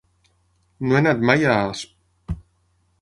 No he anat mai a Asp.